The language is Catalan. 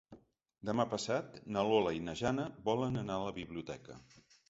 Demà passat na Lola i na Jana volen anar a la biblioteca.